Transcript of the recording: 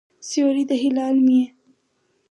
سیوری د هلال مې یې